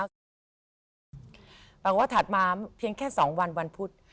แต่ว่าถัดมาเพียงแค่๒วันวันพุธ